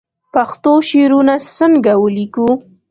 پښتو شعرونه څنګه ولیکو